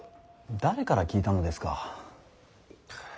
誰から聞いたのですか。